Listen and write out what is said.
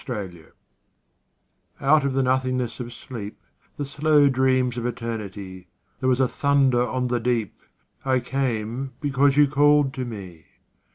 The Call Out of the nothingness of sleep, The slow dreams of Eternity, There was a thunder on the deep: I came, because you called to me.